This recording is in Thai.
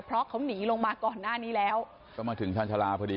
เพราะเขาหนีลงมาก่อนหน้านี้แล้วก็มาถึงชาญชาลาพอดี